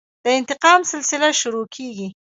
د انتقام سلسله شروع کېږي.